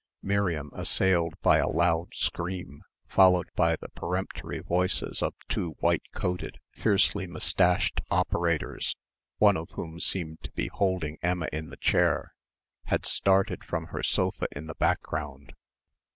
Miriam, assailed by a loud scream followed by the peremptory voices of two white coated, fiercely moustached operators, one of whom seemed to be holding Emma in the chair, had started from her sofa in the background.